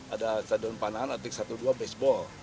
ada stadion panahan atik satu dua baseball